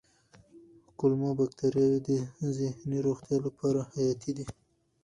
کولمو بکتریاوې د ذهني روغتیا لپاره حیاتي دي.